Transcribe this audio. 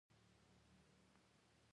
بدرنګه انسان د عبرت ځای وي